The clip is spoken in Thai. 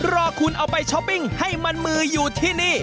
รอคุณเอาไปช้อปปิ้งให้มันมืออยู่ที่นี่